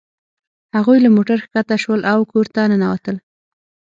هغوی له موټر ښکته شول او کور ته ننوتل